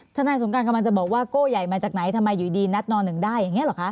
นายสงการกำลังจะบอกว่าโก้ใหญ่มาจากไหนทำไมอยู่ดีนัดน๑ได้อย่างนี้หรอคะ